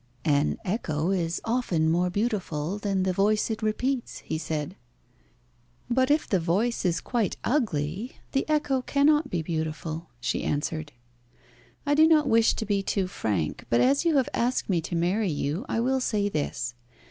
"An echo is often more beautiful than the voice it repeats," he said. "But if the voice is quite ugly the echo cannot be beautiful," she answered. "I do not wish to be too frank, but as you have asked me to marry you I will say this.